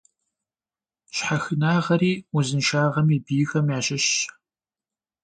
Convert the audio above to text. Щхьэхынагъэри узыншагъэм и бийхэм ящыщщ.